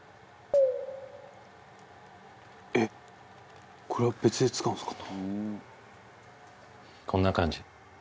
「えっ！これは別で使うんですか？」